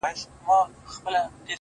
خير سجده به وکړم تاته” خير دی ستا به سم”